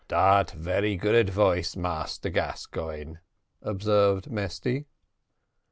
"Dat very good advice, Massa Gascoigne," observed Mesty.